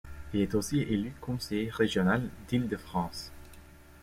Il est aussi élu conseiller régional d'Île-de-France.